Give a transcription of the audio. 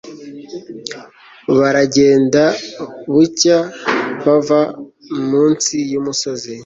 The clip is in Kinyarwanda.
baragenda bucya bava mu nsi y'umusozi